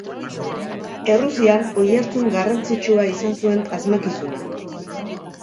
Errusian oihartzun garrantzitsua izan zuen asmakizunak.